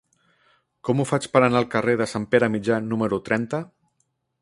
Com ho faig per anar al carrer de Sant Pere Mitjà número trenta?